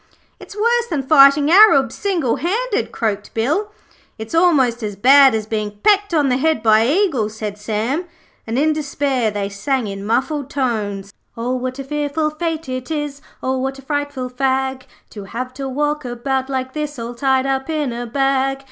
'It's worse than fighting Arabs single handed,' croaked Bill. 'It's almost as bad as being pecked on the head by eagles,' said Sam, and in despair they sang in muffled tones 'O what a fearful fate it is, O what a frightful fag, To have to walk about like this All tied up in a bag.